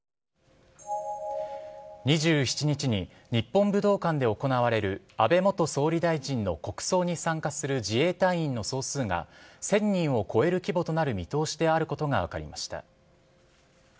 ２７日に、日本武道館で行われる安倍元総理大臣の国葬に参加する自衛隊員の総数が、１０００人を超える規模となる見通しであることが分かりました。